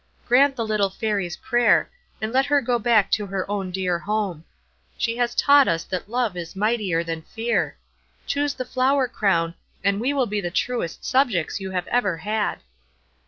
Grant the little Fairy's prayer; and let her go back to her own dear home. She has taught us that Love is mightier than Fear. Choose the Flower crown, and we will be the truest subjects you have ever had."